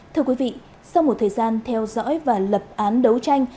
thưa quý vị sau một thời gian theo dõi và lập án đấu tranh